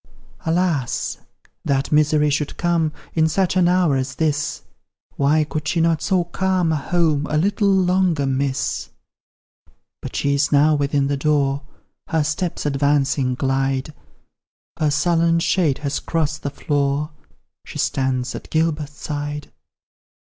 Alas! that Misery should come In such an hour as this; Why could she not so calm a home A little longer miss? But she is now within the door, Her steps advancing glide; Her sullen shade has crossed the floor, She stands at Gilbert's side.